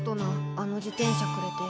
あの自転車くれて。